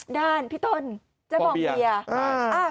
ด้านพี่ต้นเจ๊บองเบียร์